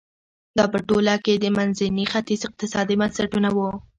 دا په ټوله کې د منځني ختیځ اقتصادي بنسټونه وو.